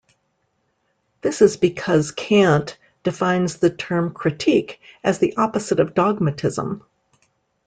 This is because Kant defines the term critique as the opposite of dogmatism.